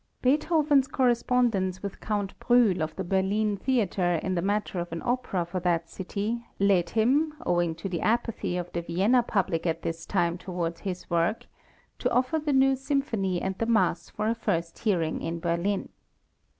Beethoven's correspondence with Count Brühl of the Berlin Theatre in the matter of an opera for that city, led him, owing to the apathy of the Vienna public at this time toward his works, to offer the new Symphony and the Mass for a first hearing in Berlin.